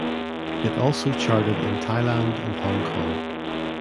It also charted in Thailand and Hong Kong.